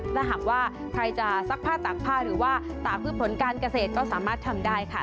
ถ้าหากว่าใครจะซักผ้าตากผ้าหรือว่าตากพืชผลการเกษตรก็สามารถทำได้ค่ะ